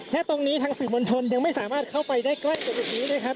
และตรงนี้ทางสื่อมวลชนยังไม่สามารถเข้าไปได้ใกล้ตรงจุดนี้นะครับ